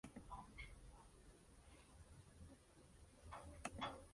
Tenían planeado actuar en los festivales de Glastonbury, Reading, Oxygen y Leeds entre otros.